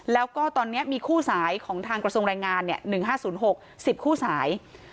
แล้วก็ตอนนี้มีคู่สายของทางกระทรวงแรงงาน๑๕๐๖๐คู่สาย